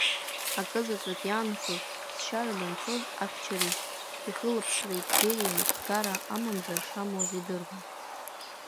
Акы заҵәык иаанхоз, ԥсшьара данцоз ихьчареи, ихылаԥшреи Бериа инапхгара амамзар шамуаз идыруан.